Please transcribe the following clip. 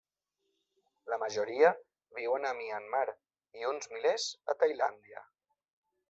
La majoria viuen a Myanmar i uns milers a Tailàndia.